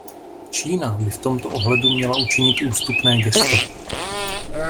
Čína by v tomto ohledu měla učinit ústupné gesto.